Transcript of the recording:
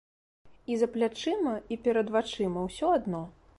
І за плячыма, і перад вачыма ўсё адно.